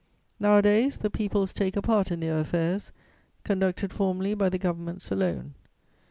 Nowadays, the peoples take a part in their affairs, conducted formerly by the governments alone.